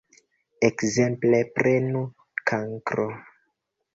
Ekzemple, prenu Kankro.